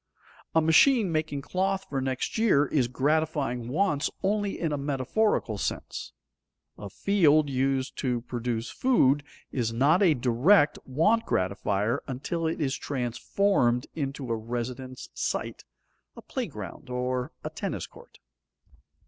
A machine making cloth for next year is gratifying wants only in a metaphorical sense. A field used to produce food is not a direct want gratifier until it is transformed into a residence site, a playground, or a tennis court.